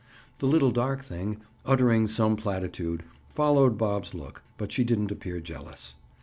The little dark thing, uttering some platitude, followed Bob's look, but she didn't appear jealous.